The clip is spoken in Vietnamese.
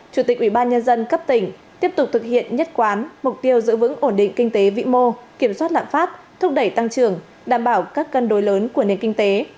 chủ tịch ubnd cấp tỉnh tiếp tục thực hiện nhất quán mục tiêu giữ vững ổn định kinh tế vĩ mô kiểm soát lạng pháp thúc đẩy tăng trưởng đảm bảo các cân đối lớn của nền kinh tế